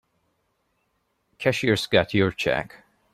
Cashier's got your check.